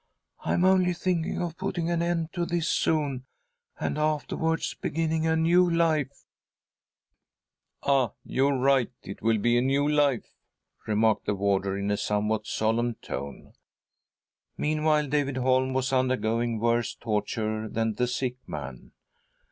I'm only thinking of putting an end to this soon, and afterwards beginning a new life." ■. 144 THY SOUL SHALL BEAR WITNESS !" Ah ! you're right, it willjbe a new life," remarked the warder, in a somewhat solemn tone. Meanwhile David Holm was undergoing worse ' torture than the sick man.